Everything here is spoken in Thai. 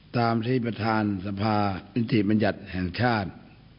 ตามที่ประธานสภานิติบัญญัติแห่งชาติ